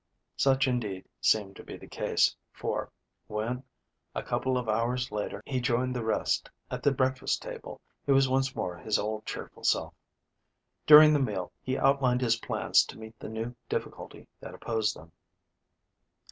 Such indeed seemed to be the case, for, when a couple of hours later he joined the rest at the breakfast table, he was once more his old cheerful self. During the meal he outlined his plans to meet the new difficulty that opposed them.